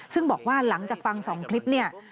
ซึ่งบอกว่าหลังจากฟัง๒คลิปเนี่ย